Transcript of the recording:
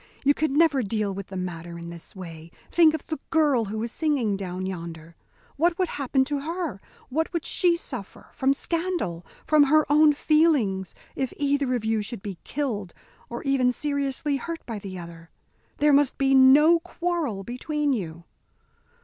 You can never deal with the matter in this way. Think of the girl who is singing down yonder. What would happen to her, what would she suffer, from scandal, from her own feelings, if either of you should be killed, or even seriously hurt by the other? There must be no quarrel between you."